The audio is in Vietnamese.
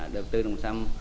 đầu tư trồng sâm